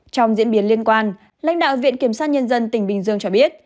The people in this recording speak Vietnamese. trong diễn biến liên quan lãnh đạo viện kiểm sát nhân dân tỉnh bình dương cho biết